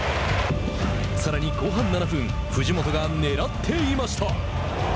さらに後半７分藤本がねらっていました。